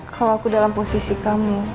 kalau aku dalam posisi kamu